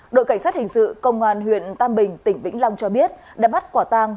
đội cảnh sát hình sự công an huyện tam bình tỉnh vĩnh long cho biết đã bắt quả tang